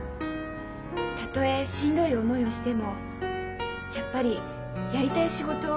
たとえしんどい思いをしてもやっぱりやりたい仕事をやりたいって思ったの。